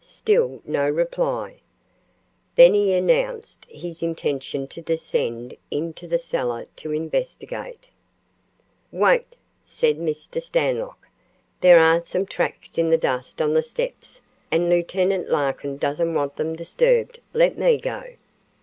Still no reply. Then he announced his intention to descend into the cellar to investigate. "Wait," said Mr. Stanlock. "There are some tracks in the dust on the steps, and Lieut. Larkin doesn't want them disturbed. Let me go."